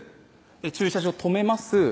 駐車場止めます